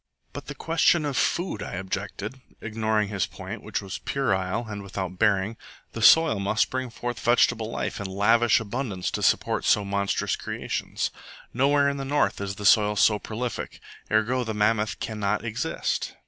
"But the question of food," I objected, ignoring his point, which was puerile and without bearing. "The soil must bring forth vegetable life in lavish abundance to support so monstrous creations. Nowhere in the North is the soil so prolific. Ergo, the mammoth cannot exist."